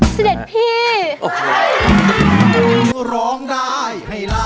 เสด็จพี่